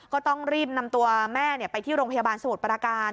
ก็ต้องรีบนำตัวแม่ไปที่โรงพยาบาลสมุทรปราการ